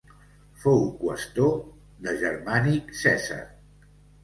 Fou qüestor de Germànic Cèsar.